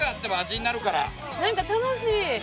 何か楽しい。